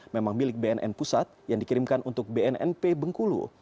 memang milik bnn pusat yang dikirimkan untuk bnnp bengkulu